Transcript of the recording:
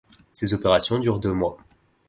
Ces opérations durent deux mois.